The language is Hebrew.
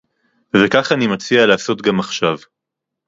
וכך אני מציע לעשות גם עכשיו